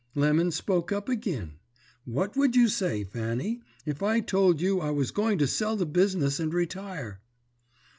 "Lemon spoke up agin. 'What would you say, Fanny, if I told you I was going to sell the business and retire?'